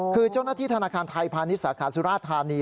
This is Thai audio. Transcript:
คือเจ้าหน้าที่ธนาคารไทยพาณิชยสาขาสุราธานี